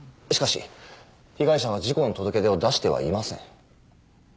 しかし被害者は事故の届け出を出してはいません。